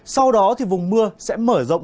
sau đó thì vùng mưa sẽ mở rộng